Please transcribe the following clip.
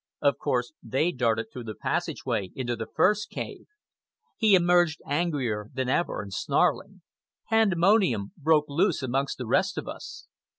Of course, they darted through the passageway into the first cave. He emerged angrier than ever and snarling. Pandemonium broke loose amongst the rest of us.